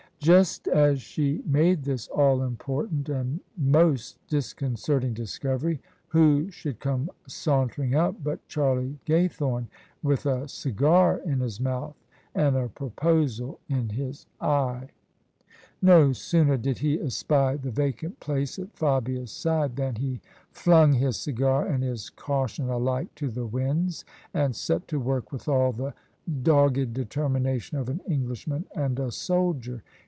Just as she made this all important and most disconcerting discovery, who should come sauntering up but Charlie Gay thorne, with a cigar in his mouth and a proposal in his eye. OF ISABEL CARNABY No sooner did he espy the vacant place at Fabia's side than he flung his cigar and his caution alike to the winds, and set to work with all the dogged deterihination of an English man and a soldier.